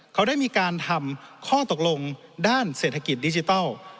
เขาได้มีการทำข้อตกลงด้านเศรษฐกิจดิจิทัล